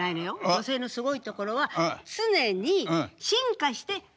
女性のすごいところは常に進化して変化するの。